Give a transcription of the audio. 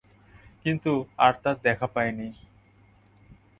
কিন্তু আর তাঁর দেখা পাইনি।